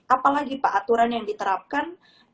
apalagi pak aturan yang diterapkan